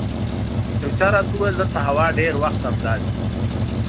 یو چا راته وویل دلته هوا ډېر وخت همداسې وي.